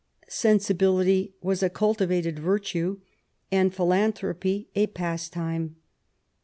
Sensibility was a cultivated virtue, and philanthropy a pastime.